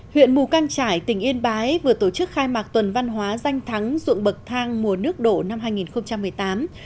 huyện mù căng trải tỉnh yên bái vừa tổ chức khai mạc tuần văn hóa danh thắng dụng bậc thang mùa nước đổ năm hai nghìn một mươi tám